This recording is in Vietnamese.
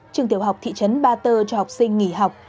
trường tiểu học thị trấn ba tơ cho học sinh nghỉ học